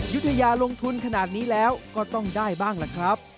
ยุธยาลงทุนขนาดนี้แล้วก็ต้องได้บ้างล่ะครับ